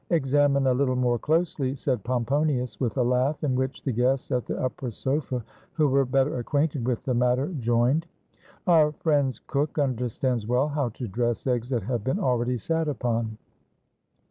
"Examine a little more closely," said Pomponius, with a laugh, in which the guests at the upper sofa, who were better acquainted with the matter, 473 ROME joined; "our friend's cook understands well how to dress eggs that have been already sat upon."